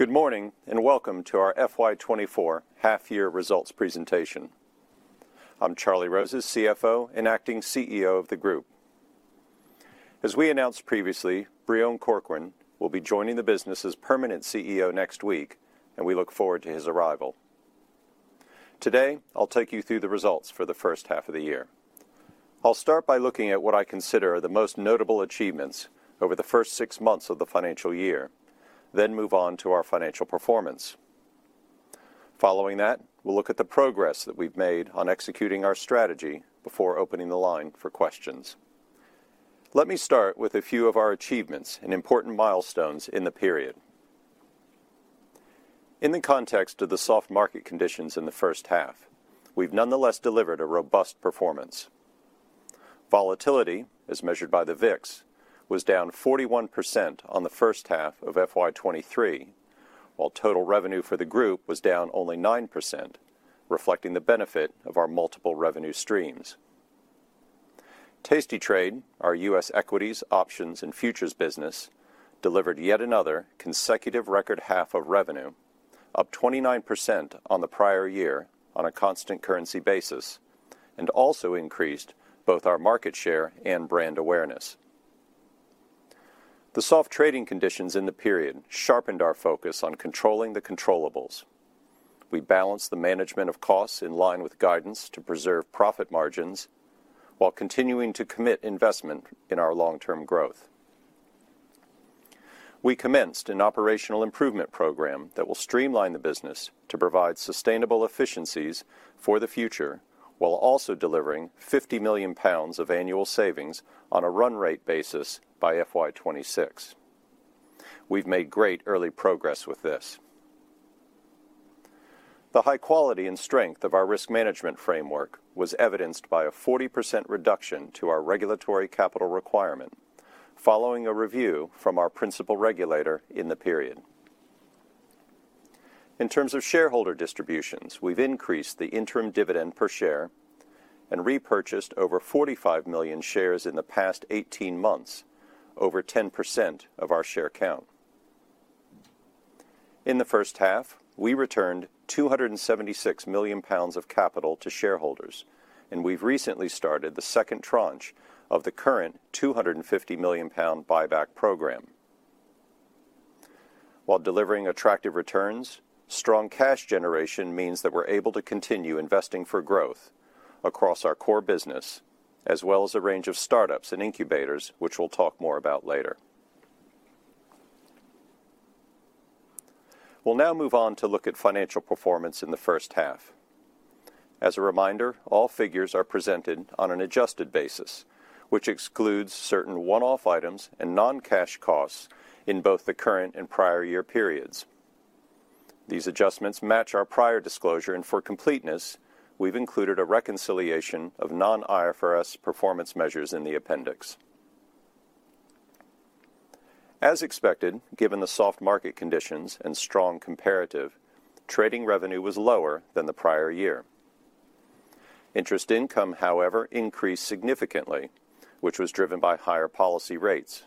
Good morning, and welcome to our FY 2024 half-year results presentation. I'm Charlie Rozes, CFO and Acting CEO of the group. As we announced previously, Breon Corcoran will be joining the business as permanent CEO next week, and we look forward to his arrival. Today, I'll take you through the results for the first half of the year. I'll start by looking at what I consider the most notable achievements over the first six months of the financial year, then move on to our financial performance. Following that, we'll look at the progress that we've made on executing our strategy before opening the line for questions. Let me start with a few of our achievements and important milestones in the period. In the context of the soft market conditions in the first half, we've nonetheless delivered a robust performance. Volatility, as measured by the VIX, was down 41% on the first half of FY 2023, while total revenue for the group was down only 9%, reflecting the benefit of our multiple revenue streams. tastytrade, our US equities, options, and futures business, delivered yet another consecutive record half of revenue, up 29% on the prior year on a constant currency basis, and also increased both our market share and brand awareness. The soft trading conditions in the period sharpened our focus on controlling the controllables. We balanced the management of costs in line with guidance to preserve profit margins while continuing to commit investment in our long-term growth. We commenced an operational improvement program that will streamline the business to provide sustainable efficiencies for the future, while also delivering 50 million pounds of annual savings on a run rate basis by FY 2026. We've made great early progress with this. The high quality and strength of our risk management framework was evidenced by a 40% reduction to our regulatory capital requirement, following a review from our principal regulator in the period. In terms of shareholder distributions, we've increased the interim dividend per share and repurchased over 45 million shares in the past 18 months, over 10% of our share count. In the first half, we returned 276 million pounds of capital to shareholders, and we've recently started the second tranche of the current 250 million pound buyback program. While delivering attractive returns, strong cash generation means that we're able to continue investing for growth across our core business, as well as a range of startups and incubators, which we'll talk more about later. We'll now move on to look at financial performance in the first half. As a reminder, all figures are presented on an adjusted basis, which excludes certain one-off items and non-cash costs in both the current and prior year periods. These adjustments match our prior disclosure, and for completeness, we've included a reconciliation of non-IFRS performance measures in the appendix. As expected, given the soft market conditions and strong comparative, trading revenue was lower than the prior year. Interest income, however, increased significantly, which was driven by higher policy rates.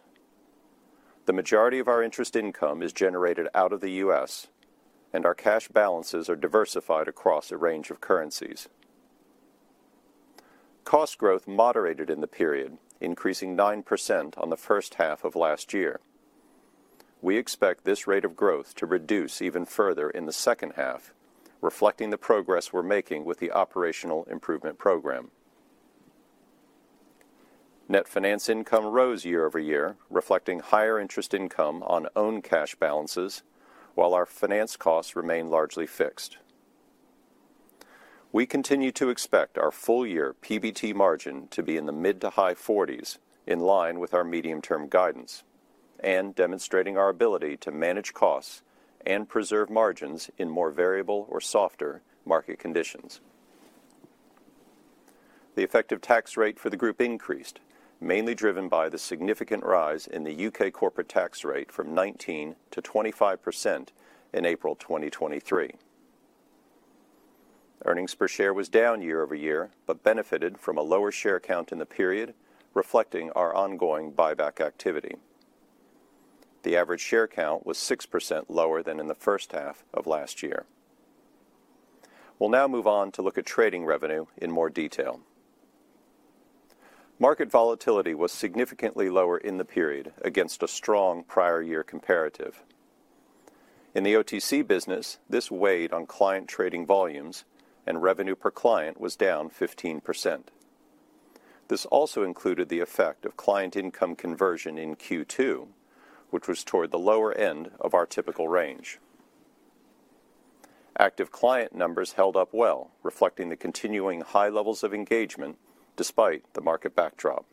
The majority of our interest income is generated out of the U.S., and our cash balances are diversified across a range of currencies. Cost growth moderated in the period, increasing 9% on the first half of last year. We expect this rate of growth to reduce even further in the second half, reflecting the progress we're making with the operational improvement program. Net finance income rose year-over-year, reflecting higher interest income on own cash balances, while our finance costs remain largely fixed. We continue to expect our full-year PBT margin to be in the mid to high forties, in line with our medium-term guidance, and demonstrating our ability to manage costs and preserve margins in more variable or softer market conditions. The effective tax rate for the group increased, mainly driven by the significant rise in the U.K. corporate tax rate from 19% to 25% in April 2023. Earnings per share was down year-over-year, but benefited from a lower share count in the period, reflecting our ongoing buyback activity. The average share count was 6% lower than in the first half of last year. We'll now move on to look at trading revenue in more detail. Market volatility was significantly lower in the period against a strong prior year comparative. In the OTC business, this weighed on client trading volumes and revenue per client was down 15%. This also included the effect of client income conversion in Q2, which was toward the lower end of our typical range. Active client numbers held up well, reflecting the continuing high levels of engagement despite the market backdrop.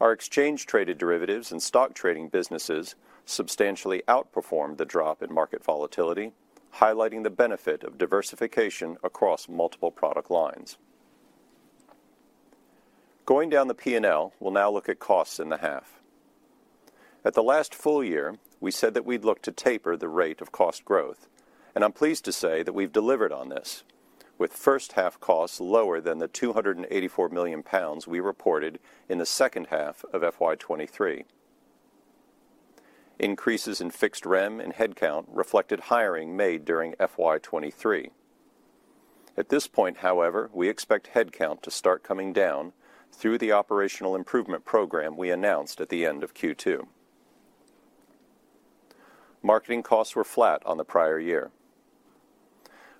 Our exchange-traded derivatives and stock trading businesses substantially outperformed the drop in market volatility, highlighting the benefit of diversification across multiple product lines. Going down the P&L, we'll now look at costs in the half. At the last full year, we said that we'd look to taper the rate of cost growth, and I'm pleased to say that we've delivered on this, with first half costs lower than the 284 million pounds we reported in the second half of FY 2023. Increases in fixed REM and headcount reflected hiring made during FY 2023. At this point, however, we expect headcount to start coming down through the operational improvement program we announced at the end of Q2. Marketing costs were flat on the prior year.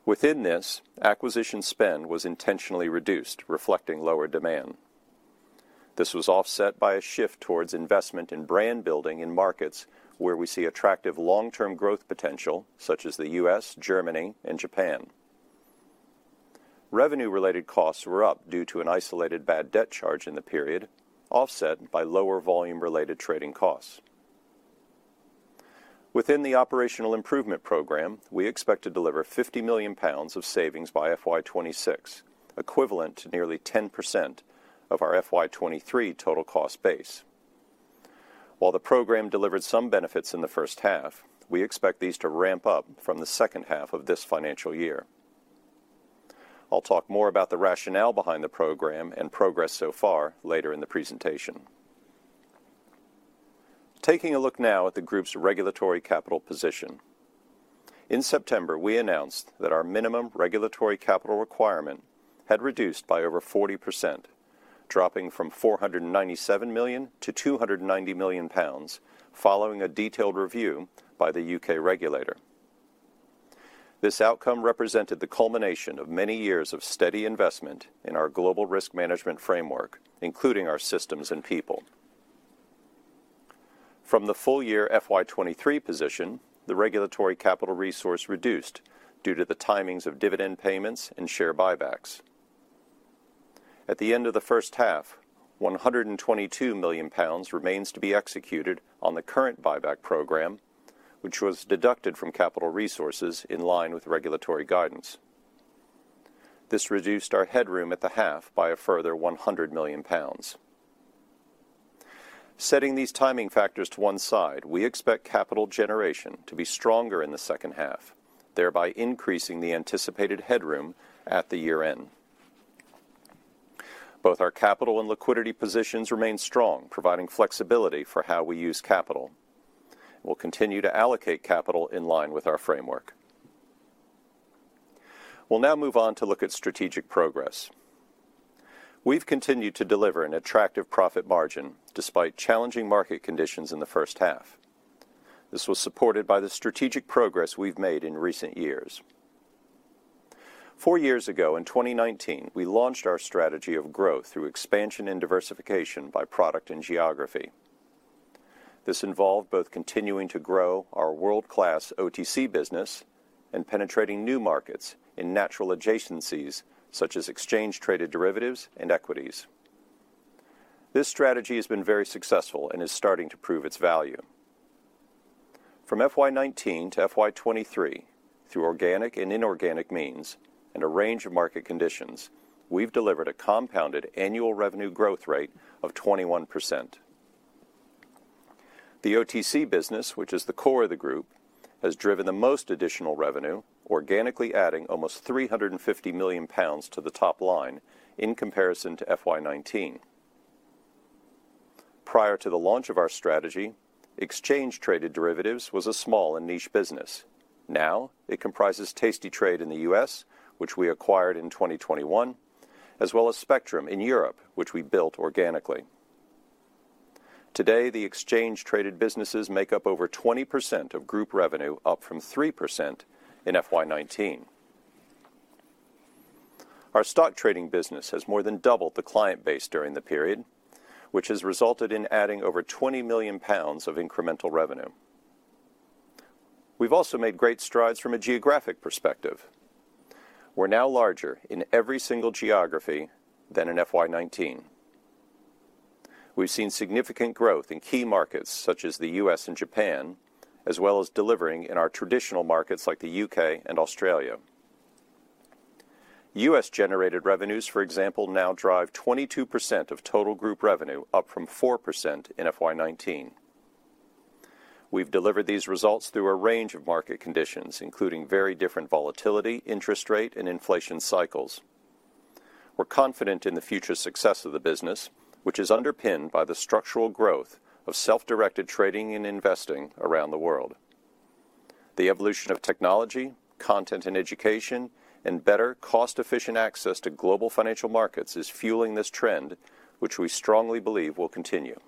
Within this, acquisition spend was intentionally reduced, reflecting lower demand. This was offset by a shift towards investment in brand building in markets where we see attractive long-term growth potential, such as the U.S., Germany, and Japan. Revenue-related costs were up due to an isolated bad debt charge in the period, offset by lower volume-related trading costs. Within the operational improvement program, we expect to deliver 50 million pounds of savings by FY 2026, equivalent to nearly 10% of our FY 2023 total cost base. While the program delivered some benefits in the first half, we expect these to ramp up from the second half of this financial year. I'll talk more about the rationale behind the program and progress so far later in the presentation. Taking a look now at the group's regulatory capital position. In September, we announced that our minimum regulatory capital requirement had reduced by over 40%, dropping from 497 million to 290 million pounds, following a detailed review by the UK regulator. This outcome represented the culmination of many years of steady investment in our global risk management framework, including our systems and people. From the full year FY 2023 position, the regulatory capital resource reduced due to the timings of dividend payments and share buybacks. At the end of the first half, 122 million pounds remains to be executed on the current buyback program, which was deducted from capital resources in line with regulatory guidance. This reduced our headroom at the half by a further 100 million pounds. Setting these timing factors to one side, we expect capital generation to be stronger in the second half, thereby increasing the anticipated headroom at the year-end. Both our capital and liquidity positions remain strong, providing flexibility for how we use capital. We'll continue to allocate capital in line with our framework. We'll now move on to look at strategic progress. We've continued to deliver an attractive profit margin despite challenging market conditions in the first half. This was supported by the strategic progress we've made in recent years. Four years ago, in 2019, we launched our strategy of growth through expansion and diversification by product and geography. This involved both continuing to grow our world-class OTC business and penetrating new markets in natural adjacencies, such as exchange-traded derivatives and equities. This strategy has been very successful and is starting to prove its value. From FY 2019 to FY 2023, through organic and inorganic means and a range of market conditions, we've delivered a compounded annual revenue growth rate of 21%. The OTC business, which is the core of the group, has driven the most additional revenue, organically adding almost 350 million pounds to the top line in comparison to FY 2019. Prior to the launch of our strategy, exchange-traded derivatives was a small and niche business. Now, it comprises tastytrade in the U.S., which we acquired in 2021, as well as Spectrum Markets in Europe, which we built organically. Today, the exchange-traded businesses make up over 20% of group revenue, up from 3% in FY 2019. Our stock trading business has more than doubled the client base during the period, which has resulted in adding over 20 million pounds of incremental revenue. We've also made great strides from a geographic perspective. We're now larger in every single geography than in FY 2019. We've seen significant growth in key markets such as the U.S. and Japan, as well as delivering in our traditional markets like the U.K. and Australia. U.S.-generated revenues, for example, now drive 22% of total group revenue, up from 4% in FY 2019. We've delivered these results through a range of market conditions, including very different volatility, interest rate, and inflation cycles. We're confident in the future success of the business, which is underpinned by the structural growth of self-directed trading and investing around the world. The evolution of technology, content and education, and better cost-efficient access to global financial markets is fueling this trend, which we strongly believe will continue.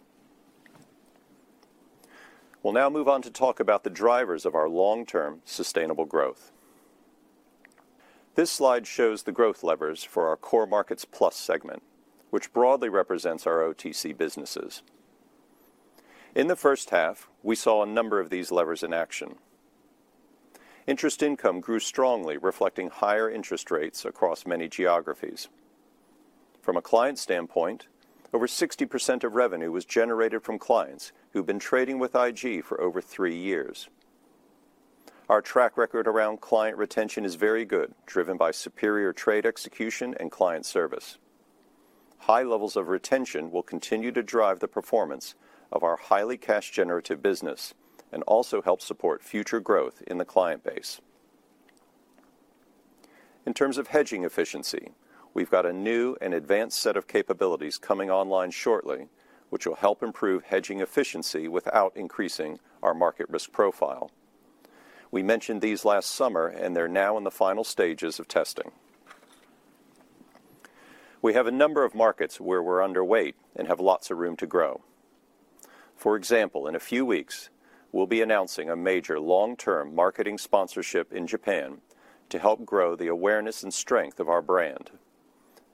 We'll now move on to talk about the drivers of our long-term sustainable growth. This slide shows the growth levers for our Core Markets Plus segment, which broadly represents our OTC businesses. In the first half, we saw a number of these levers in action. Interest income grew strongly, reflecting higher interest rates across many geographies. From a client standpoint, over 60% of revenue was generated from clients who've been trading with IG for over three years. Our track record around client retention is very good, driven by superior trade execution and client service... High levels of retention will continue to drive the performance of our highly cash-generative business and also help support future growth in the client base. In terms of hedging efficiency, we've got a new and advanced set of capabilities coming online shortly, which will help improve hedging efficiency without increasing our market risk profile. We mentioned these last summer, and they're now in the final stages of testing. We have a number of markets where we're underweight and have lots of room to grow. For example, in a few weeks, we'll be announcing a major long-term marketing sponsorship in Japan to help grow the awareness and strength of our brand.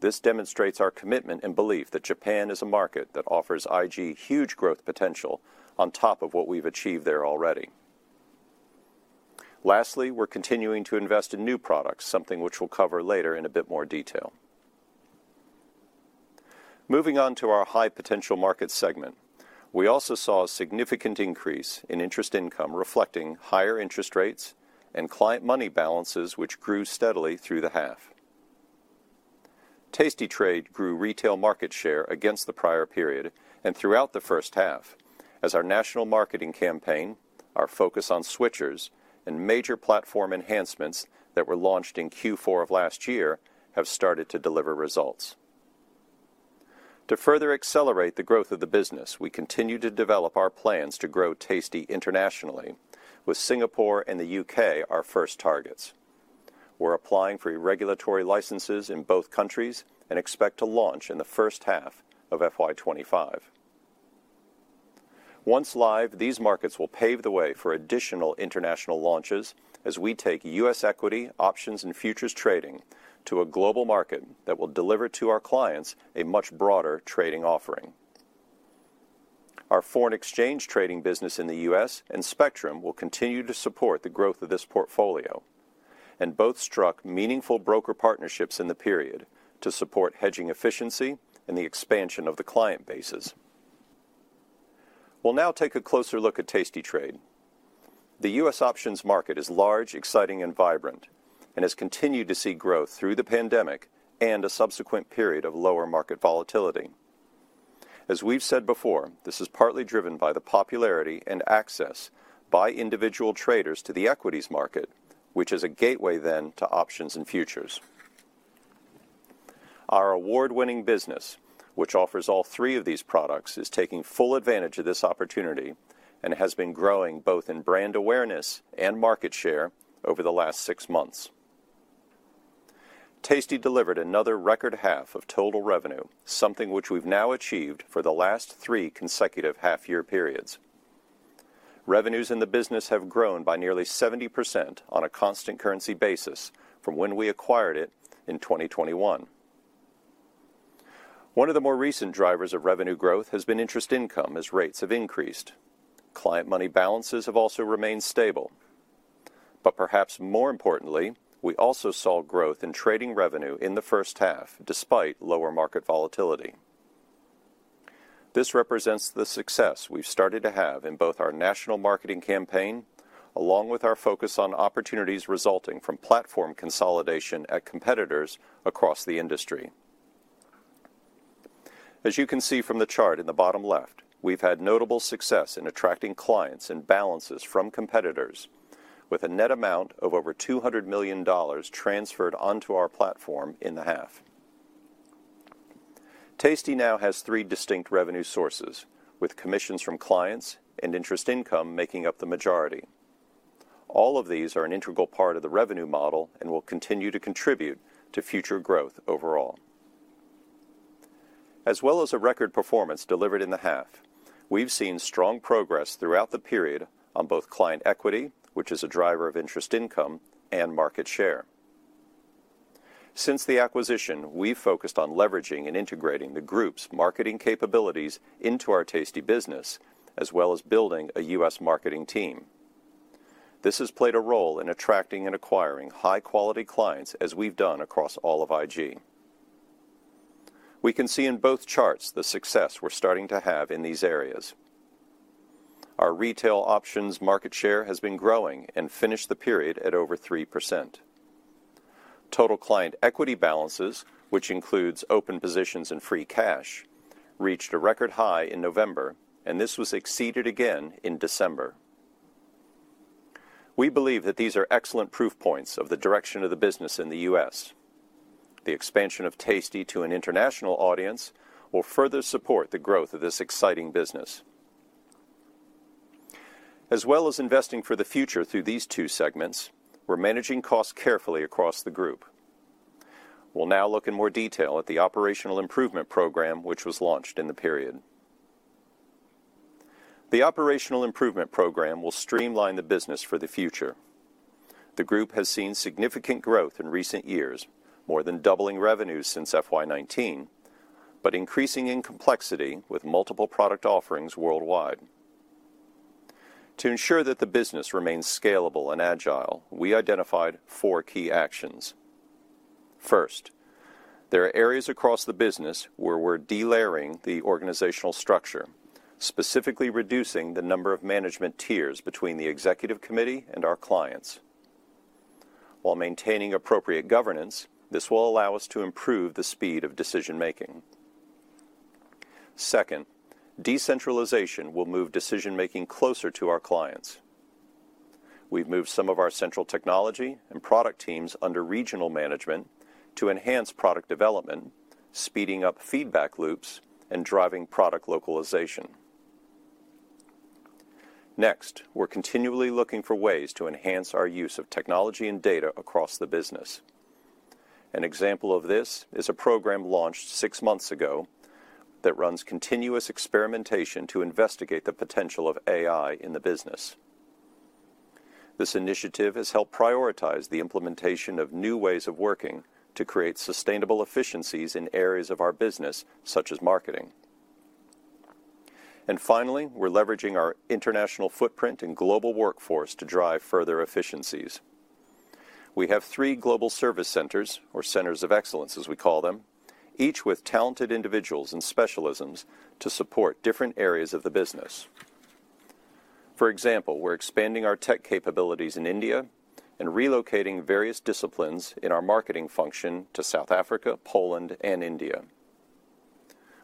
This demonstrates our commitment and belief that Japan is a market that offers IG huge growth potential on top of what we've achieved there already. Lastly, we're continuing to invest in new products, something which we'll cover later in a bit more detail. Moving on to our high-potential market segment, we also saw a significant increase in interest income, reflecting higher interest rates and client money balances, which grew steadily through the half. tastytrade grew retail market share against the prior period and throughout the first half, as our national marketing campaign, our focus on switchers, and major platform enhancements that were launched in Q4 of last year have started to deliver results. To further accelerate the growth of the business, we continue to develop our plans to grow tastytrade internationally, with Singapore and the U.K. our first targets. We're applying for regulatory licenses in both countries and expect to launch in the first half of FY 25. Once live, these markets will pave the way for additional international launches as we take U.S. equity, options, and futures trading to a global market that will deliver to our clients a much broader trading offering. Our foreign exchange trading business in the U.S. and Spectrum will continue to support the growth of this portfolio, and both struck meaningful broker partnerships in the period to support hedging efficiency and the expansion of the client bases. We'll now take a closer look at tastytrade. The U.S. options market is large, exciting, and vibrant, and has continued to see growth through the pandemic and a subsequent period of lower market volatility. As we've said before, this is partly driven by the popularity and access by individual traders to the equities market, which is a gateway then to options and futures. Our award-winning business, which offers all three of these products, is taking full advantage of this opportunity and has been growing both in brand awareness and market share over the last six months. Tasty delivered another record half of total revenue, something which we've now achieved for the last three consecutive half-year periods. Revenues in the business have grown by nearly 70% on a constant currency basis from when we acquired it in 2021. One of the more recent drivers of revenue growth has been interest income, as rates have increased. Client money balances have also remained stable, but perhaps more importantly, we also saw growth in trading revenue in the first half, despite lower market volatility. This represents the success we've started to have in both our national marketing campaign, along with our focus on opportunities resulting from platform consolidation at competitors across the industry. As you can see from the chart in the bottom left, we've had notable success in attracting clients and balances from competitors, with a net amount of over $200 million transferred onto our platform in the half. Tasty now has three distinct revenue sources, with commissions from clients and interest income making up the majority. All of these are an integral part of the revenue model and will continue to contribute to future growth overall. As well as a record performance delivered in the half, we've seen strong progress throughout the period on both client equity, which is a driver of interest income, and market share. Since the acquisition, we've focused on leveraging and integrating the group's marketing capabilities into our Tasty business, as well as building a U.S. marketing team. This has played a role in attracting and acquiring high-quality clients, as we've done across all of IG. We can see in both charts the success we're starting to have in these areas. Our retail options market share has been growing and finished the period at over 3%. Total client equity balances, which includes open positions and free cash, reached a record high in November, and this was exceeded again in December. We believe that these are excellent proof points of the direction of the business in the U.S. The expansion of Tasty to an international audience will further support the growth of this exciting business. As well as investing for the future through these two segments, we're managing costs carefully across the group. We'll now look in more detail at the operational improvement program, which was launched in the period. The operational improvement program will streamline the business for the future. The group has seen significant growth in recent years, more than doubling revenues since FY 2019, but increasing in complexity with multiple product offerings worldwide. To ensure that the business remains scalable and agile, we identified four key actions. First, there are areas across the business where we're delayering the organizational structure, specifically reducing the number of management tiers between the executive committee and our clients. While maintaining appropriate governance, this will allow us to improve the speed of decision-making. Second, decentralization will move decision-making closer to our clients. We've moved some of our central technology and product teams under regional management to enhance product development, speeding up feedback loops, and driving product localization. Next, we're continually looking for ways to enhance our use of technology and data across the business. An example of this is a program launched six months ago that runs continuous experimentation to investigate the potential of AI in the business. This initiative has helped prioritize the implementation of new ways of working to create sustainable efficiencies in areas of our business, such as marketing. Finally, we're leveraging our international footprint and global workforce to drive further efficiencies. We have three global service centers, or centers of excellence, as we call them, each with talented individuals and specialisms to support different areas of the business. For example, we're expanding our tech capabilities in India and relocating various disciplines in our marketing function to South Africa, Poland, and India.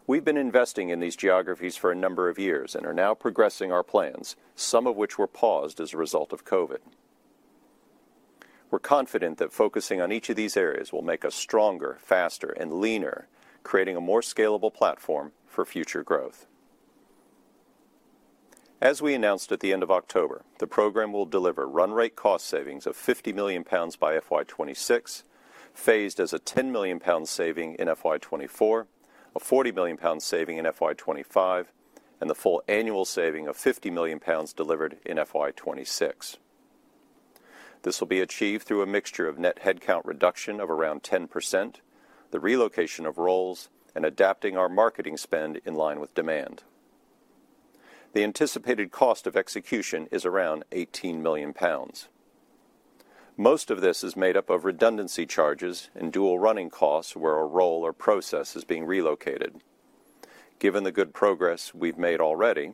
We've been investing in these geographies for a number of years and are now progressing our plans, some of which were paused as a result of COVID. We're confident that focusing on each of these areas will make us stronger, faster, and leaner, creating a more scalable platform for future growth. As we announced at the end of October, the program will deliver run rate cost savings of 50 million pounds by FY 2026, phased as a 10 million pound saving in FY 2024, a 40 million pound saving in FY 2025, and the full annual saving of 50 million pounds delivered in FY 2026. This will be achieved through a mixture of net headcount reduction of around 10%, the relocation of roles, and adapting our marketing spend in line with demand. The anticipated cost of execution is around 18 million pounds. Most of this is made up of redundancy charges and dual running costs, where a role or process is being relocated. Given the good progress we've made already,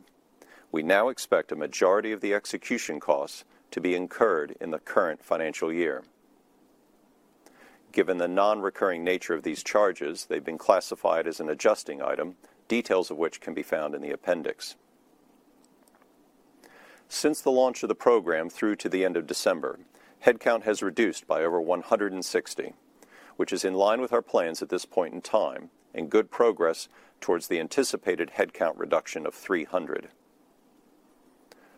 we now expect a majority of the execution costs to be incurred in the current financial year. Given the non-recurring nature of these charges, they've been classified as an adjusting item, details of which can be found in the appendix. Since the launch of the program through to the end of December, headcount has reduced by over 160, which is in line with our plans at this point in time, and good progress towards the anticipated headcount reduction of 300.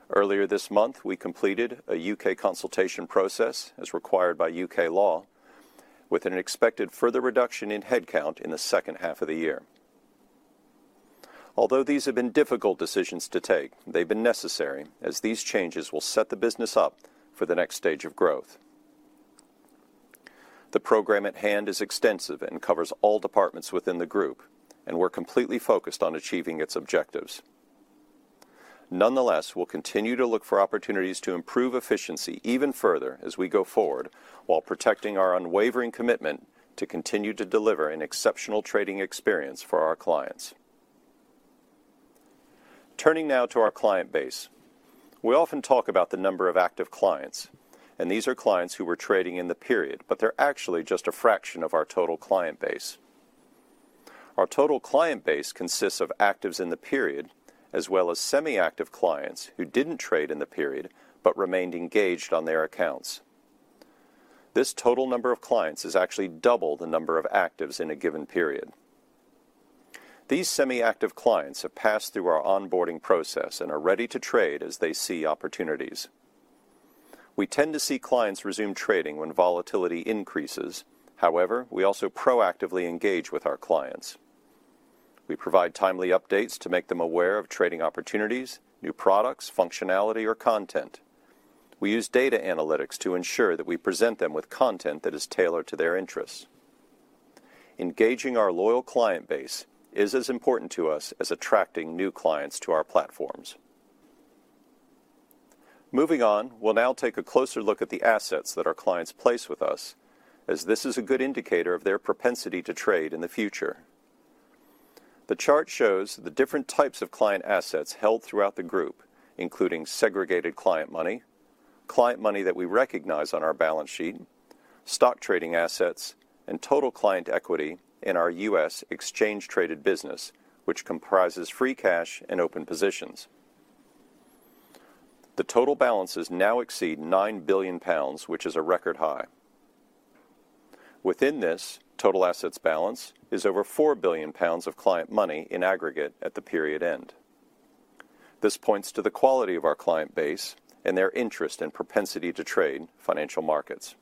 Earlier this month, we completed a U.K. consultation process, as required by U.K. law, with an expected further reduction in headcount in the second half of the year. Although these have been difficult decisions to take, they've been necessary as these changes will set the business up for the next stage of growth. The program at hand is extensive and covers all departments within the group, and we're completely focused on achieving its objectives. Nonetheless, we'll continue to look for opportunities to improve efficiency even further as we go forward, while protecting our unwavering commitment to continue to deliver an exceptional trading experience for our clients. Turning now to our client base. We often talk about the number of active clients, and these are clients who were trading in the period, but they're actually just a fraction of our total client base. Our total client base consists of actives in the period, as well as semi-active clients who didn't trade in the period but remained engaged on their accounts. This total number of clients is actually double the number of actives in a given period. These semi-active clients have passed through our onboarding process and are ready to trade as they see opportunities. We tend to see clients resume trading when volatility increases. However, we also proactively engage with our clients. We provide timely updates to make them aware of trading opportunities, new products, functionality, or content. We use data analytics to ensure that we present them with content that is tailored to their interests. Engaging our loyal client base is as important to us as attracting new clients to our platforms. Moving on, we'll now take a closer look at the assets that our clients place with us, as this is a good indicator of their propensity to trade in the future. The chart shows the different types of client assets held throughout the group, including segregated client money, client money that we recognize on our balance sheet, stock trading assets, and total client equity in our U.S. exchange-traded business, which comprises free cash and open positions. The total balances now exceed 9 billion pounds, which is a record high. Within this, total assets balance is over 4 billion pounds of client money in aggregate at the period end. This points to the quality of our client base and their interest and propensity to trade financial markets.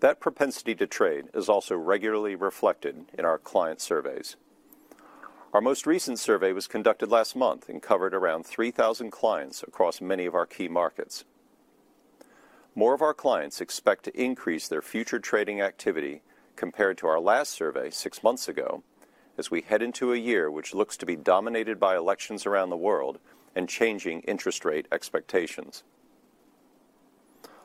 That propensity to trade is also regularly reflected in our client surveys. Our most recent survey was conducted last month and covered around 3,000 clients across many of our key markets. More of our clients expect to increase their future trading activity compared to our last survey six months ago, as we head into a year which looks to be dominated by elections around the world and changing interest rate expectations.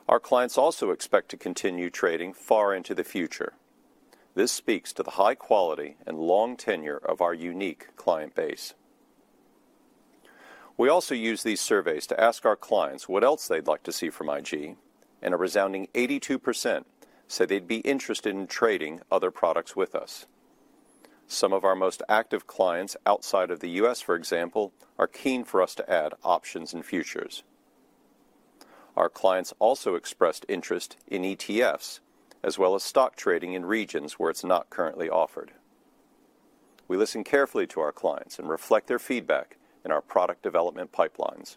Our clients also expect to continue trading far into the future. This speaks to the high quality and long tenure of our unique client base. We also use these surveys to ask our clients what else they'd like to see from IG, and a resounding 82% said they'd be interested in trading other products with us. Some of our most active clients outside of the U.S., for example, are keen for us to add options and futures. Our clients also expressed interest in ETFs, as well as stock trading in regions where it's not currently offered. We listen carefully to our clients and reflect their feedback in our product development pipelines.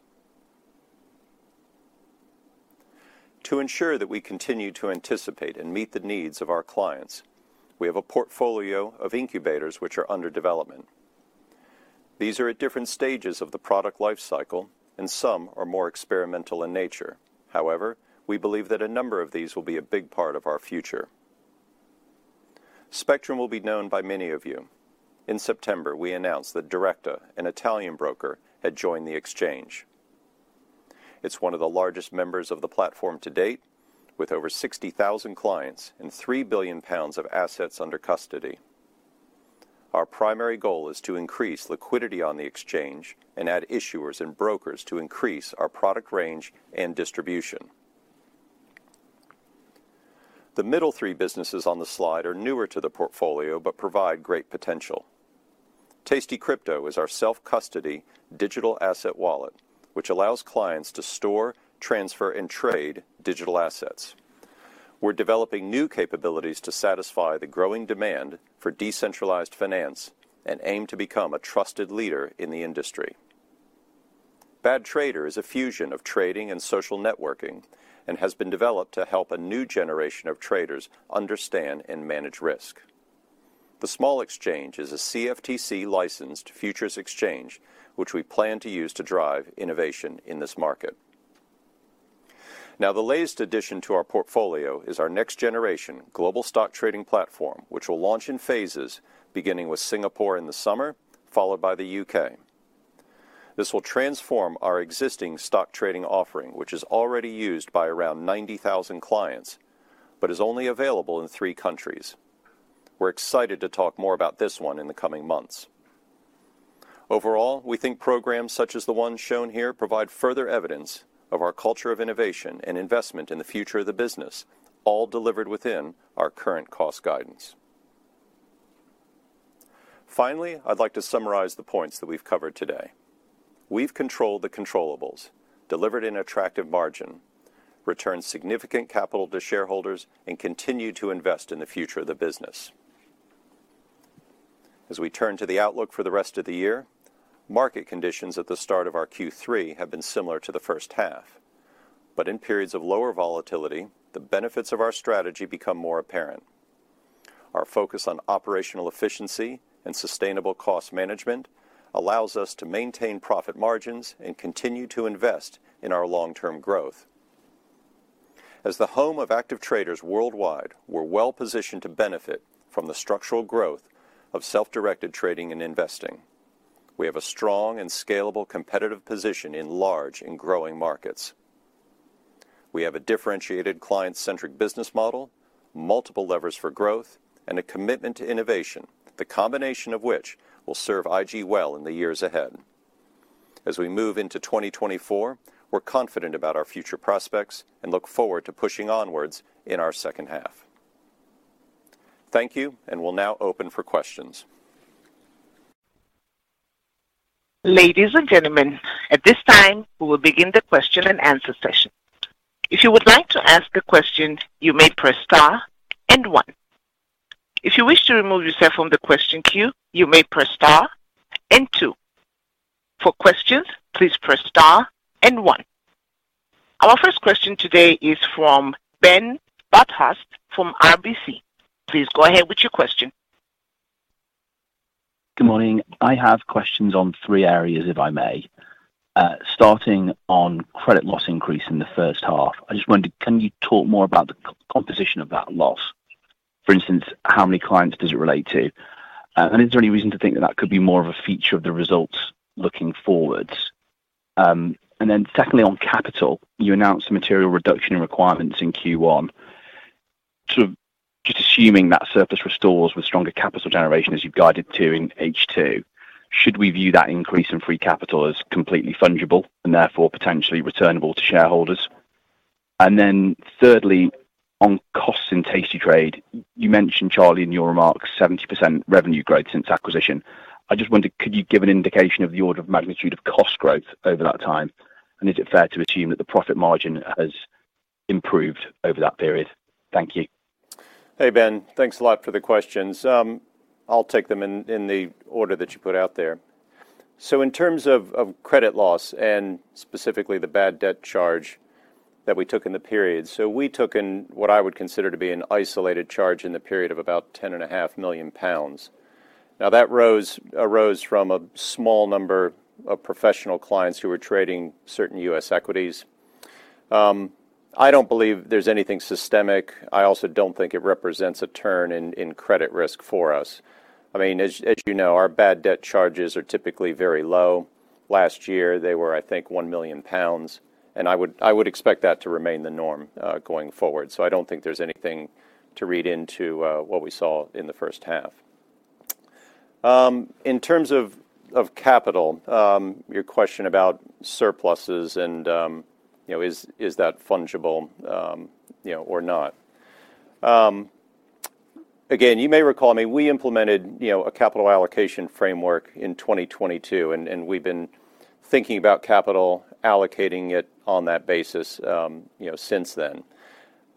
To ensure that we continue to anticipate and meet the needs of our clients, we have a portfolio of incubators which are under development. These are at different stages of the product life cycle, and some are more experimental in nature. However, we believe that a number of these will be a big part of our future. Spectrum will be known by many of you. In September, we announced that Directa, an Italian broker, had joined the exchange. It's one of the largest members of the platform to date, with over 60,000 clients and 3 billion pounds of assets under custody. Our primary goal is to increase liquidity on the exchange and add issuers and brokers to increase our product range and distribution. The middle three businesses on the slide are newer to the portfolio but provide great potential. tastycrypto is our self-custody digital asset wallet, which allows clients to store, transfer, and trade digital assets. We're developing new capabilities to satisfy the growing demand for decentralized finance and aim to become a trusted leader in the industry. badtrader is a fusion of trading and social networking and has been developed to help a new generation of traders understand and manage risk. The Small Exchange is a CFTC-licensed futures exchange, which we plan to use to drive innovation in this market. Now, the latest addition to our portfolio is our next-generation global stock trading platform, which will launch in phases, beginning with Singapore in the summer, followed by the U.K. This will transform our existing stock trading offering, which is already used by around 90,000 clients, but is only available in three countries. We're excited to talk more about this one in the coming months. Overall, we think programs such as the ones shown here provide further evidence of our culture of innovation and investment in the future of the business, all delivered within our current cost guidance. Finally, I'd like to summarize the points that we've covered today. We've controlled the controllables, delivered an attractive margin, returned significant capital to shareholders, and continued to invest in the future of the business. As we turn to the outlook for the rest of the year, market conditions at the start of our Q3 have been similar to the first half, but in periods of lower volatility, the benefits of our strategy become more apparent. Our focus on operational efficiency and sustainable cost management allows us to maintain profit margins and continue to invest in our long-term growth. As the home of active traders worldwide, we're well-positioned to benefit from the structural growth of self-directed trading and investing. We have a strong and scalable competitive position in large and growing markets. We have a differentiated, client-centric business model, multiple levers for growth, and a commitment to innovation, the combination of which will serve IG well in the years ahead. As we move into 2024, we're confident about our future prospects and look forward to pushing onwards in our second half. Thank you, and we'll now open for questions. Ladies and gentlemen, at this time, we will begin the question-and-answer session. If you would like to ask a question, you may press star and one. If you wish to remove yourself from the question queue, you may press star and two. For questions, please press star and one. Our first question today is from Ben Bathurst from RBC. Please go ahead with your question. Good morning. I have questions on three areas, if I may. Starting on credit loss increase in the first half. I just wondered, can you talk more about the composition of that loss? For instance, how many clients does it relate to? And is there any reason to think that that could be more of a feature of the results looking forward? And then secondly, on capital, you announced a material reduction in requirements in Q1. So just assuming that surface restores with stronger capital generation as you've guided to in H2, should we view that increase in free capital as completely fungible and therefore potentially returnable to shareholders? And then thirdly, on costs in tastytrade, you mentioned, Charlie, in your remarks, 70% revenue growth since acquisition. I just wondered, could you give an indication of the order of magnitude of cost growth over that time, and is it fair to assume that the profit margin has improved over that period? Thank you. Hey, Ben. Thanks a lot for the questions. I'll take them in the order that you put out there. So in terms of credit loss and specifically the bad debt charge that we took in the period, so we took in what I would consider to be an isolated charge in the period of about 10.5 million pounds. Now, that arose from a small number of professional clients who were trading certain US equities. I don't believe there's anything systemic. I also don't think it represents a turn in credit risk for us. I mean, as you know, our bad debt charges are typically very low. Last year, they were, I think, 1 million pounds, and I would expect that to remain the norm going forward. So I don't think there's anything to read into what we saw in the first half. In terms of capital, your question about surpluses and, you know, is that fungible, you know, or not? Again, you may recall, I mean, we implemented a capital allocation framework in 2022, and we've been thinking about capital allocating it on that basis, you know, since then.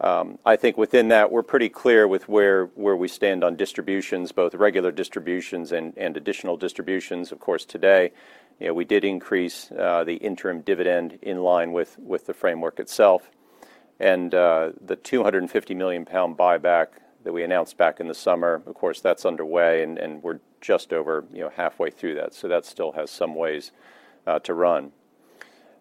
I think within that, we're pretty clear with where we stand on distributions, both regular distributions and additional distributions. Of course, today, you know, we did increase the interim dividend in line with the framework itself, and the 250 million pound buyback that we announced back in the summer, of course, that's underway, and we're just over, you know, halfway through that. So that still has some ways to run.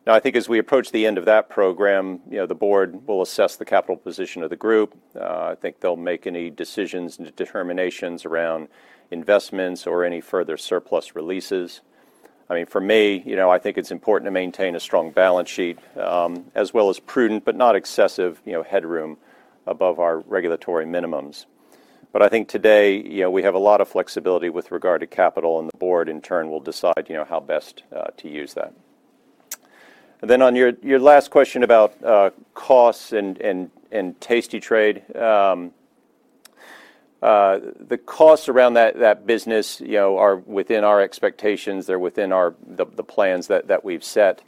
Now, I think as we approach the end of that program, you know, the board will assess the capital position of the group. I think they'll make any decisions and determinations around investments or any further surplus releases. I mean, for me, you know, I think it's important to maintain a strong balance sheet, as well as prudent, but not excessive, you know, headroom above our regulatory minimums. But I think today, you know, we have a lot of flexibility with regard to capital, and the board, in turn, will decide, you know, how best to use that. And then on your last question about costs and tastytrade, the costs around that business, you know, are within our expectations. They're within our the plans that we've set.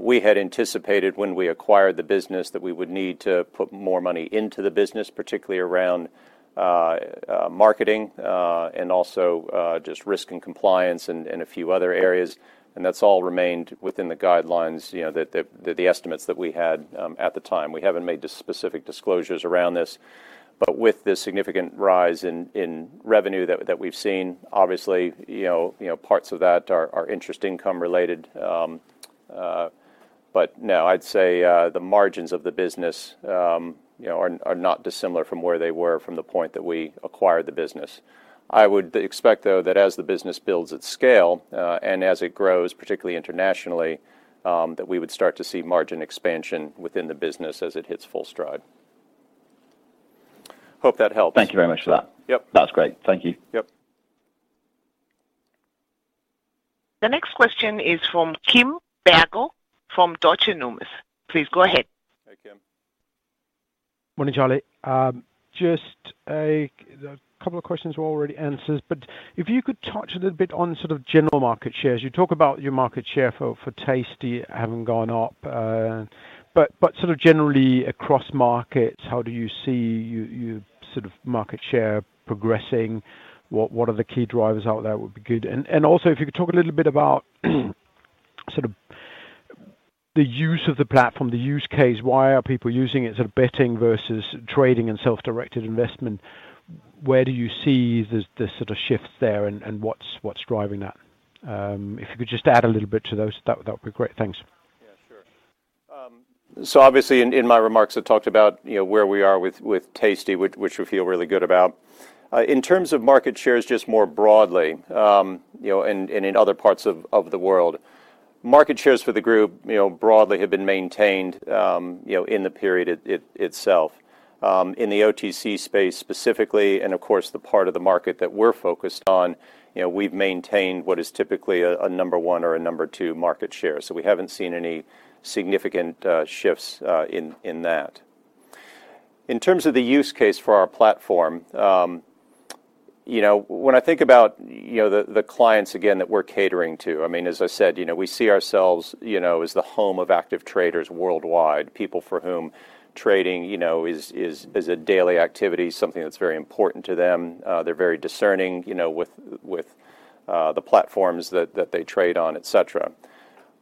We had anticipated when we acquired the business, that we would need to put more money into the business, particularly around marketing, and also just risk and compliance and a few other areas, and that's all remained within the guidelines, you know, the estimates that we had at the time. We haven't made the specific disclosures around this, but with this significant rise in revenue that we've seen, obviously, you know, parts of that are interest income related. But no, I'd say the margins of the business, you know, are not dissimilar from where they were from the point that we acquired the business. I would expect, though, that as the business builds its scale, and as it grows, particularly internationally, that we would start to see margin expansion within the business as it hits full stride. Hope that helps. Thank you very much for that. Yep. That's great. Thank you. Yep. The next question is from Kim Bergoe from Deutsche Numis. Please go ahead. Hi, Kim. Morning, Charlie. Just a couple of questions were already answered, but if you could touch a little bit on sort of general market shares. You talk about your market share for Tasty having gone up, but sort of generally across markets, how do you see your sort of market share progressing? What are the key drivers out there would be good? And also, if you could talk a little bit about sort of the use of the platform, the use case, why are people using it, sort of betting versus trading and self-directed investment? Where do you see the sort of shift there, and what's driving that? If you could just add a little bit to those, that would be great. Thanks. Yeah, sure. So obviously in my remarks, I talked about, you know, where we are with tastytrade, which we feel really good about. In terms of market shares just more broadly, you know, and in other parts of the world, market shares for the group, you know, broadly have been maintained, you know, in the period itself. In the OTC space specifically, and of course, the part of the market that we're focused on, you know, we've maintained what is typically a number one or a number two market share, so we haven't seen any significant shifts in that. In terms of the use case for our platform, you know, when I think about, you know, the clients again, that we're catering to, I mean, as I said, you know, we see ourselves, you know, as the home of active traders worldwide, people for whom trading, you know, is a daily activity, something that's very important to them. They're very discerning, you know, with the platforms that they trade on, et cetera.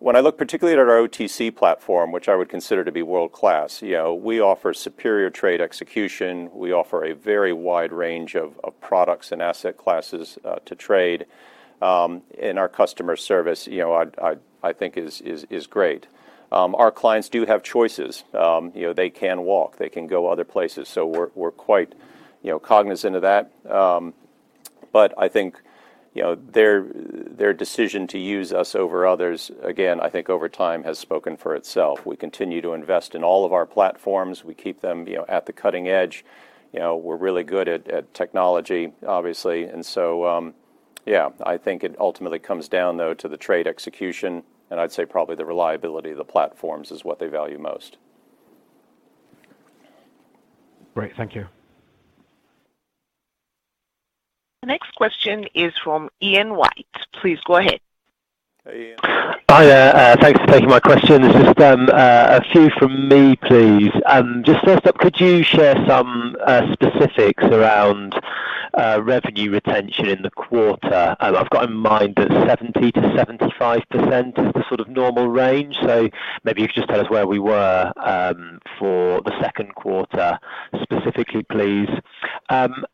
When I look particularly at our OTC platform, which I would consider to be world-class, you know, we offer superior trade execution, we offer a very wide range of products and asset classes to trade, and our customer service, you know, I think is great. Our clients do have choices. You know, they can walk, they can go other places, so we're quite, you know, cognizant of that. But I think, you know, their decision to use us over others, again, I think over time has spoken for itself. We continue to invest in all of our platforms. We keep them, you know, at the cutting edge. You know, we're really good at technology, obviously, and so, yeah, I think it ultimately comes down, though, to the trade execution, and I'd say probably the reliability of the platforms is what they value most. Great. Thank you. The next question is from Ian White. Please go ahead. Hey, Ian. Hi there. Thanks for taking my question. Just a few from me, please. Just first up, could you share some specifics around revenue retention in the quarter? I've got in mind that 70%-75% is the sort of normal range, so maybe you could just tell us where we were for the second quarter, specifically, please. And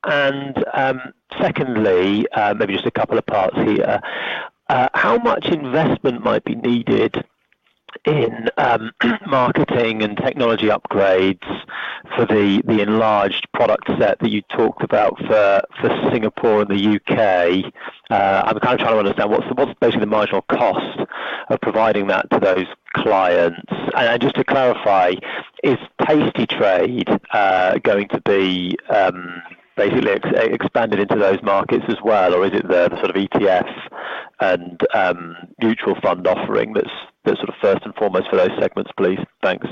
secondly, maybe just a couple of parts here, how much investment might be needed in marketing and technology upgrades for the enlarged product set that you talked about for Singapore and the U.K.? I'm kind of trying to understand what's basically the marginal cost?... of providing that to those clients? And just to clarify, is tastytrade going to be basically expanded into those markets as well? Or is it the sort of ETFs and mutual fund offering that's the sort of first and foremost for those segments, please? Thanks.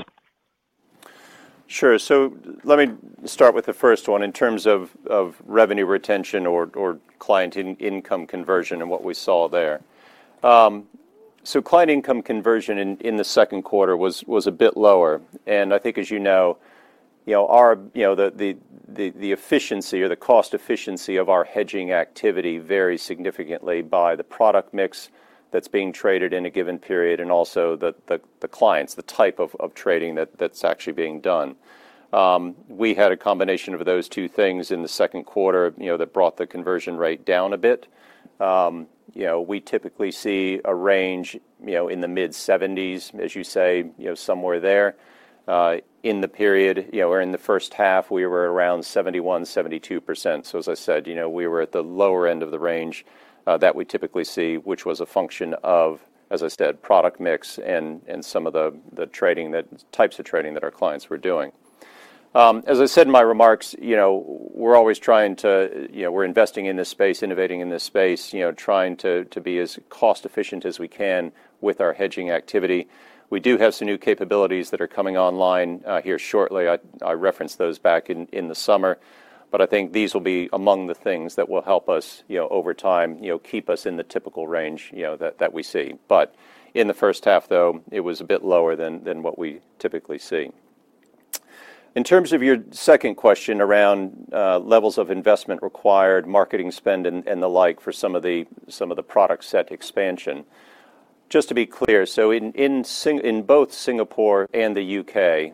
Sure. So let me start with the first one in terms of of revenue retention or or client income conversion and what we saw there. So client income conversion in the second quarter was a bit lower, and I think, as you know, you know, our you know, the efficiency or the cost efficiency of our hedging activity varies significantly by the product mix that's being traded in a given period, and also the clients, the type of trading that's actually being done. We had a combination of those two things in the second quarter, you know, that brought the conversion rate down a bit. You know, we typically see a range, you know, in the mid-70s, as you say, you know, somewhere there. In the period, you know, or in the first half, we were around 71%-72%. So as I said, you know, we were at the lower end of the range that we typically see, which was a function of, as I said, product mix and some of the types of trading that our clients were doing. As I said in my remarks, you know, we're always trying to... you know, we're investing in this space, innovating in this space, you know, trying to be as cost-efficient as we can with our hedging activity. We do have some new capabilities that are coming online here shortly. I referenced those back in the summer, but I think these will be among the things that will help us, you know, over time, you know, keep us in the typical range, you know, that we see. But in the first half, though, it was a bit lower than what we typically see. In terms of your second question around levels of investment required, marketing spend, and the like, for some of the product set expansion. Just to be clear, so in Singapore and the U.K.,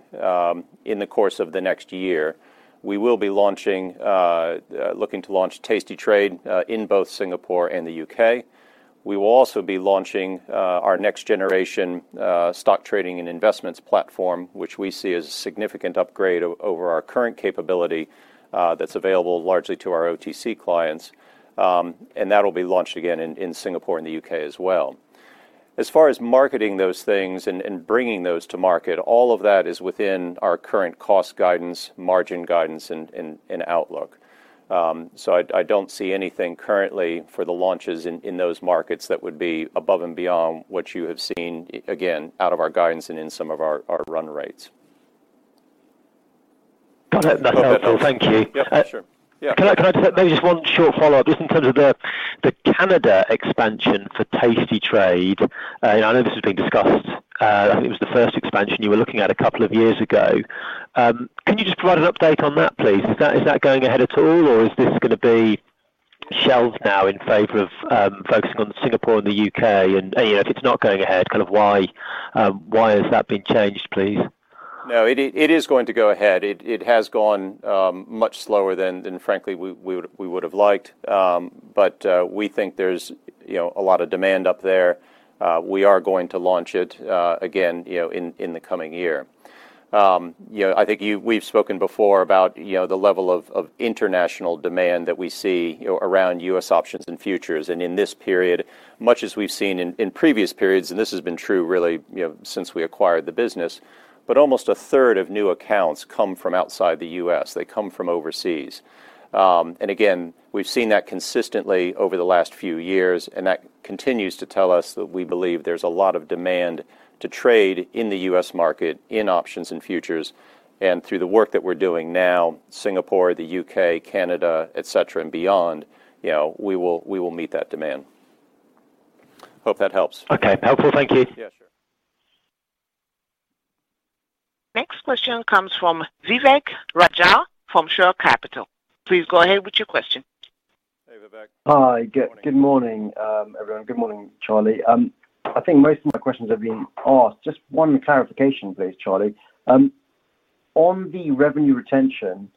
in the course of the next year, we will be launching, looking to launch tastytrade, in both Singapore and the UK. We will also be launching our next generation stock trading and investments platform, which we see as a significant upgrade over our current capability, that's available largely to our OTC clients, and that'll be launched again in Singapore and the UK as well. As far as marketing those things and bringing those to market, all of that is within our current cost guidance, margin guidance, and outlook. So I don't see anything currently for the launches in those markets that would be above and beyond what you have seen again out of our guidance and in some of our run rates. Got it. That's helpful. Thank you. Yep, sure. Yeah. Can I just maybe one short follow-up, just in terms of the Canada expansion for tastytrade? I know this has been discussed. I think it was the first expansion you were looking at a couple of years ago. Can you just provide an update on that, please? Is that going ahead at all, or is this gonna be shelved now in favor of focusing on Singapore and the UK? And, you know, if it's not going ahead, kind of why has that been changed, please? No, it is going to go ahead. It has gone much slower than frankly we would have liked. But we think there's, you know, a lot of demand up there. We are going to launch it again, you know, in the coming year. You know, I think we've spoken before about, you know, the level of international demand that we see, you know, around U.S. options and futures. And in this period, much as we've seen in previous periods, and this has been true really, you know, since we acquired the business, but almost a third of new accounts come from outside the U.S. They come from overseas. And again, we've seen that consistently over the last few years, and that continues to tell us that we believe there's a lot of demand to trade in the U.S. market, in options and futures, and through the work that we're doing now, Singapore, the U.K., Canada, et cetera, and beyond, you know, we will, we will meet that demand. Hope that helps. Okay, helpful. Thank you. Yeah, sure. Next question comes from Vivek Raja, from Shore Capital. Please go ahead with your question. Hey, Vivek. Hi. Good morning, everyone. Good morning, Charlie. I think most of my questions have been asked. Just one clarification, please, Charlie. On the revenue retention,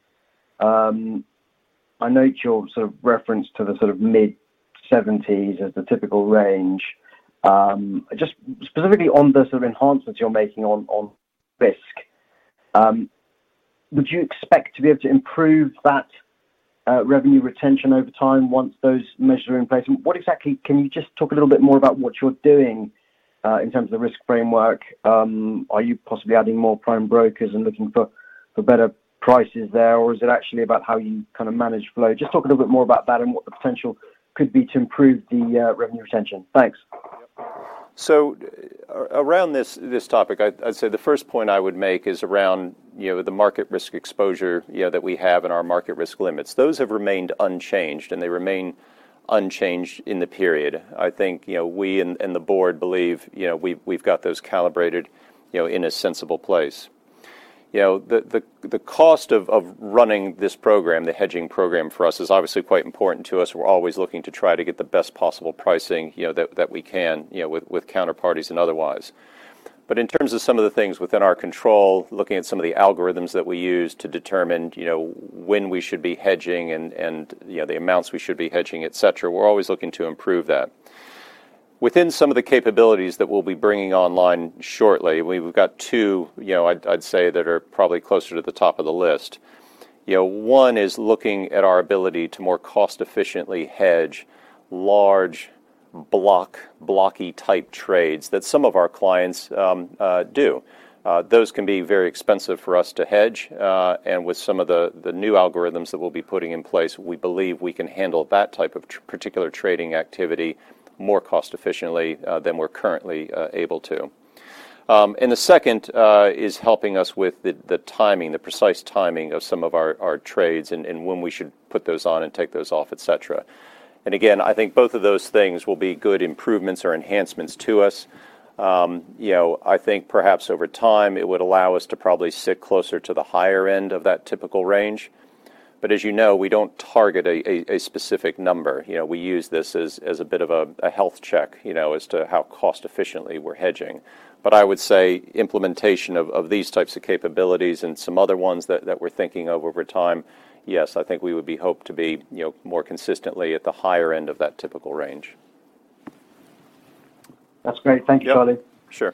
I note your sort of reference to the sort of mid-seventies as the typical range. Just specifically on the sort of enhancements you're making on risk, would you expect to be able to improve that revenue retention over time once those measures are in place? And what exactly... Can you just talk a little bit more about what you're doing in terms of the risk framework? Are you possibly adding more prime brokers and looking for better prices there, or is it actually about how you kind of manage flow? Just talk a little bit more about that and what the potential could be to improve the revenue retention. Thanks. So around this topic, I'd say the first point I would make is around, you know, the market risk exposure, you know, that we have in our market risk limits. Those have remained unchanged, and they remain unchanged in the period. I think, you know, we and the board believe, you know, we've got those calibrated, you know, in a sensible place. You know, the cost of running this program, the hedging program for us, is obviously quite important to us. We're always looking to try to get the best possible pricing, you know, that we can, you know, with counterparties and otherwise. But in terms of some of the things within our control, looking at some of the algorithms that we use to determine, you know, when we should be hedging and, you know, the amounts we should be hedging, et cetera, we're always looking to improve that. Within some of the capabilities that we'll be bringing online shortly, we've got two, you know, I'd say, that are probably closer to the top of the list. You know, one is looking at our ability to more cost-efficiently hedge large blocky-type trades that some of our clients do. Those can be very expensive for us to hedge, and with some of the new algorithms that we'll be putting in place, we believe we can handle that type of particular trading activity more cost-efficiently than we're currently able to. And the second is helping us with the timing, the precise timing of some of our trades, and when we should put those on and take those off, et cetera. And again, I think both of those things will be good improvements or enhancements to us. You know, I think perhaps over time, it would allow us to probably sit closer to the higher end of that typical range. But as you know, we don't target a specific number. You know, we use this as a bit of a health check, you know, as to how cost-efficiently we're hedging. I would say implementation of these types of capabilities and some other ones that we're thinking of over time, yes, I think we would be hoped to be, you know, more consistently at the higher end of that typical range. That's great. Thank you, Charlie. Sure.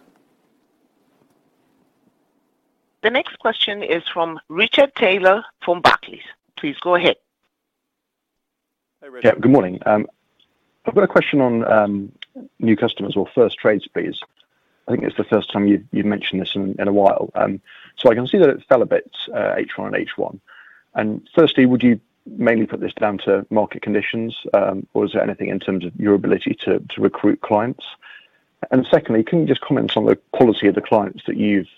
The next question is from Richard Taylor from Barclays. Please go ahead. Hi, Richard. Yeah, good morning. I've got a question on new customers or first trades, please. I think it's the first time you've mentioned this in a while. So I can see that it fell a bit, H1-on-H1. And firstly, would you mainly put this down to market conditions, or is there anything in terms of your ability to recruit clients? And secondly, can you just comment on the quality of the clients that you've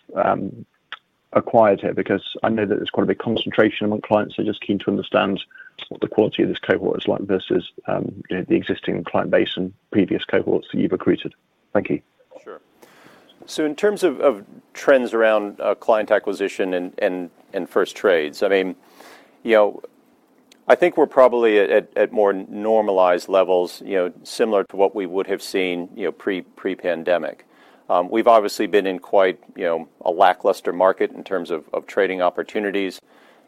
acquired here? Because I know that there's quite a big concentration among clients. I'm just keen to understand what the quality of this cohort is like versus you know, the existing client base and previous cohorts that you've recruited. Thank you. Sure. So in terms of trends around client acquisition and first trades, I mean, you know, I think we're probably at more normalized levels, you know, similar to what we would have seen, you know, pre-pandemic. We've obviously been in quite, you know, a lackluster market in terms of trading opportunities.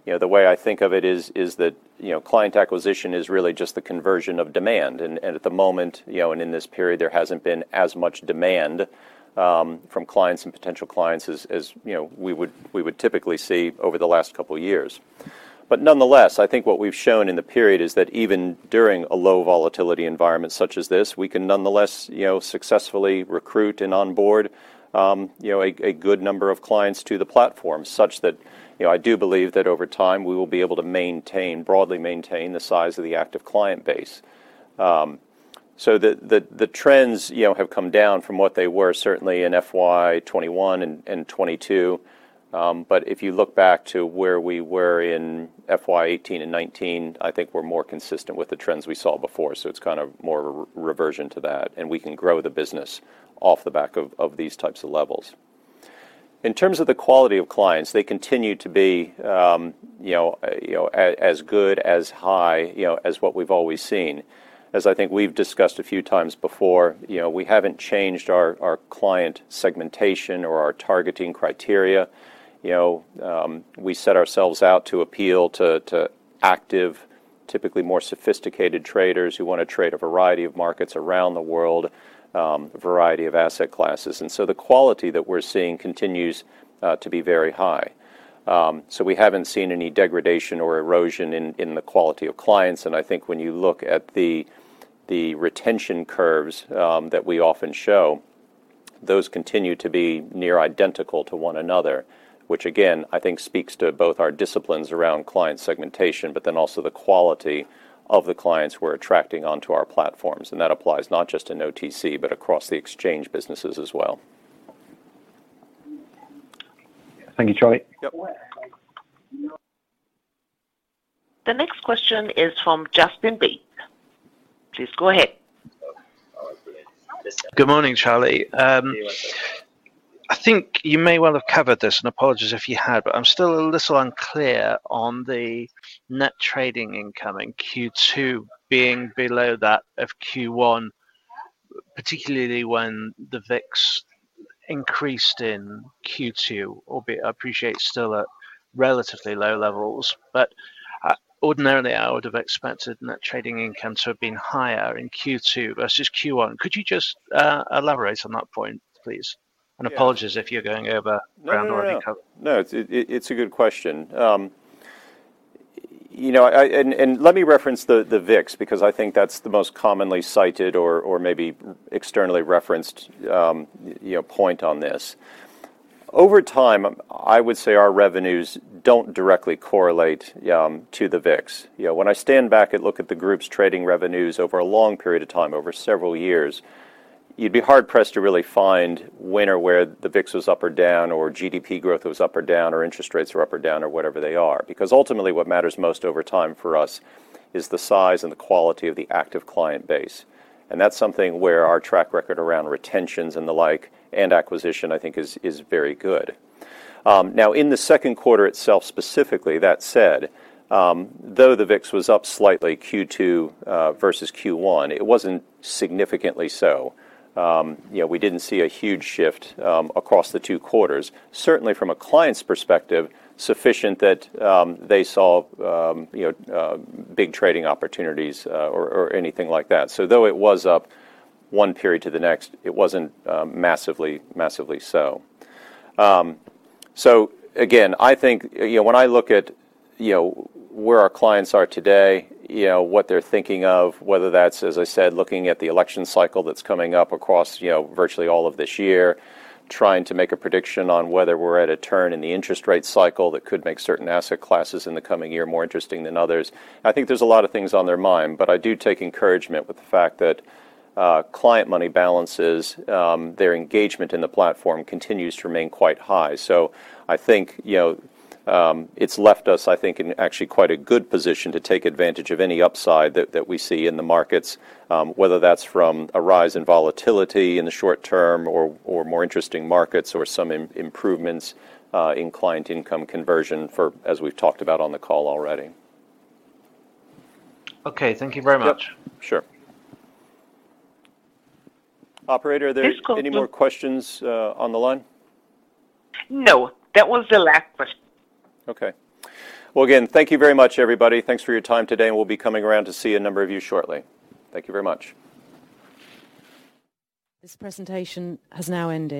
You know, the way I think of it is that, you know, client acquisition is really just the conversion of demand, and at the moment, you know, and in this period, there hasn't been as much demand from clients and potential clients as, you know, we would typically see over the last couple of years. But nonetheless, I think what we've shown in the period is that even during a low volatility environment such as this, we can nonetheless, you know, successfully recruit and onboard, you know, a good number of clients to the platform, such that, you know, I do believe that over time, we will be able to maintain, broadly maintain the size of the active client base. So the trends, you know, have come down from what they were certainly in FY 2021 and 2022, but if you look back to where we were in FY 2018 and 2019, I think we're more consistent with the trends we saw before, so it's kind of more of a reversion to that, and we can grow the business off the back of these types of levels. In terms of the quality of clients, they continue to be, you know, you know, as good, as high, you know, as what we've always seen. As I think we've discussed a few times before, you know, we haven't changed our client segmentation or our targeting criteria. You know, we set ourselves out to appeal to active, typically more sophisticated traders who wanna trade a variety of markets around the world, a variety of asset classes. And so the quality that we're seeing continues to be very high. So we haven't seen any degradation or erosion in the quality of clients, and I think when you look at the retention curves that we often show, those continue to be near identical to one another, which again, I think speaks to both our disciplines around client segmentation, but then also the quality of the clients we're attracting onto our platforms, and that applies not just in OTC, but across the exchange businesses as well. Thank you, Charlie. Yep. The next question is from Justin Bates. Please go ahead. Good morning, Charlie. I think you may well have covered this, and apologies if you have, but I'm still a little unclear on the net trading income in Q2 being below that of Q1, particularly when the VIX increased in Q2, albeit I appreciate still at relatively low levels. But, ordinarily, I would have expected net trading income to have been higher in Q2 versus Q1. Could you just elaborate on that point, please? Yeah. Apologies if you're going over ground already covered. No, no, no. No, it's a good question. You know, let me reference the VIX, because I think that's the most commonly cited or maybe externally referenced, you know, point on this. Over time, I would say our revenues don't directly correlate to the VIX. You know, when I stand back and look at the group's trading revenues over a long period of time, over several years, you'd be hard-pressed to really find when or where the VIX was up or down, or GDP growth was up or down, or interest rates were up or down, or whatever they are. Because ultimately, what matters most over time for us is the size and the quality of the active client base, and that's something where our track record around retentions and the like, and acquisition, I think is, is very good. Now, in the second quarter itself, specifically, that said, though the VIX was up slightly, Q2, versus Q1, it wasn't significantly so. You know, we didn't see a huge shift, across the two quarters. Certainly, from a client's perspective, sufficient that, they saw, you know, big trading opportunities, or, or anything like that. So though it was up one period to the next, it wasn't, massively, massively so. So again, I think, you know, when I look at, you know, where our clients are today, you know, what they're thinking of, whether that's, as I said, looking at the election cycle that's coming up across, you know, virtually all of this year, trying to make a prediction on whether we're at a turn in the interest rate cycle that could make certain asset classes in the coming year more interesting than others, I think there's a lot of things on their mind. But I do take encouragement with the fact that, client money balances, their engagement in the platform continues to remain quite high. So I think, you know, it's left us, I think, in actually quite a good position to take advantage of any upside that we see in the markets, whether that's from a rise in volatility in the short term or more interesting markets or some improvements in client income conversion, as we've talked about on the call already. Okay. Thank you very much. Yep. Sure. Operator, are there- Yes, of course.... any more questions on the line? No, that was the last question. Okay. Well, again, thank you very much, everybody. Thanks for your time today, and we'll be coming around to see a number of you shortly. Thank you very much. This presentation has now ended.